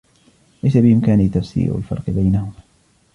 ليس بإمكاني تفسير الفرق بينهما.